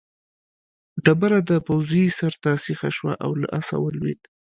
ډبره د پوځي سر ته سیخه شوه او له آسه ولوېد.